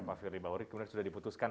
pak firdy bauri kemudian sudah diputuskan